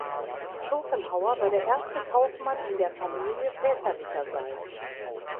Schopenhauer war der erste Kaufmann in der Familie väterlicherseits.